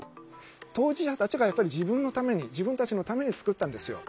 当事者たちがやっぱり自分のために自分たちのために作ったんですよ。